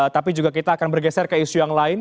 tapi juga kita akan bergeser ke isu yang lain